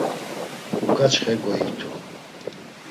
Uǩaçxe goiktu.